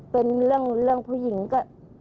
เป็นเรื่องเรื่องผู้หญิงก็